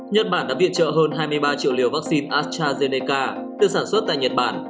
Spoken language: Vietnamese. nhật bản đã viện trợ hơn hai mươi ba triệu liều vaccine astrazeneca được sản xuất tại nhật bản